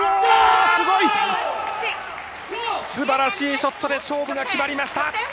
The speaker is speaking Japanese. すごい！素晴らしいショットで勝負が決まりました！